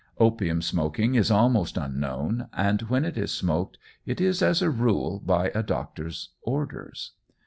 Opium smoking is almost unknown, and when it is smoked, it is, as a rule, by a doctor's orders.